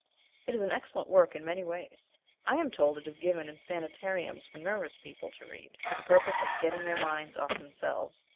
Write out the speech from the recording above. It is an excellent work in many ways. I am told it is given in sanitariums for nervous people to read, for the purpose of getting their minds off themselves.